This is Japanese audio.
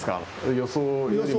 予想よりも。